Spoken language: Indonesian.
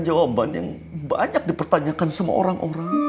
jawaban yang banyak dipertanyakan sama orang orang